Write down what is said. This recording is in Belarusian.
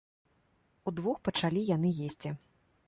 Удвух пачалі яны есці.